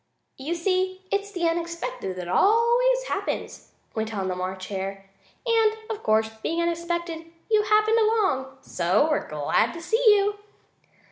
"You see, it's the unexpected that always happens," went on the March Hare, "and, of course, being unexpected, you happened along, so we're glad to see you."